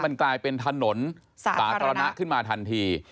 มันกลายเป็นถนนสาธารณะขึ้นมาทันที